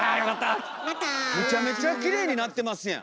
めちゃめちゃきれいに鳴ってますやん。